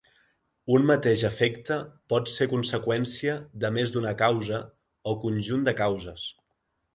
Un mateix efecte pot ser conseqüència de més d'una causa o conjunt de causes.